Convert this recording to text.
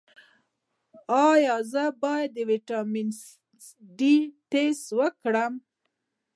ایا زه باید د ویټامین ډي ټسټ وکړم؟